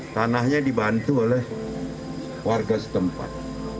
tanahnya dibantu oleh warga setempat